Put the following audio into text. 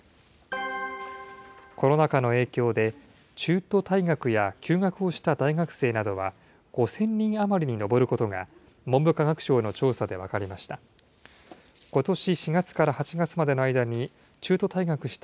コロナ禍の影響で、中途退学や休学をした大学生などは５０００人余りに上ることが、文部科学省の調査で分かりました。